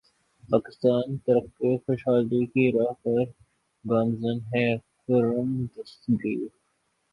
پاکستان ترقی خوشحالی کی راہ پر گامزن ہے خرم دستگیر